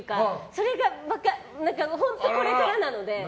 それが、本当これからなので。